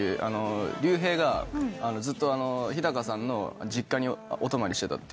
ＲＹＵＨＥＩがずっと日高さんの実家にお泊まりしていたという。